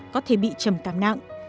có thể bị trầm cảm nặng